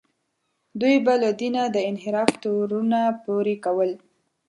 دوی به له دینه د انحراف تورونه پورې کول.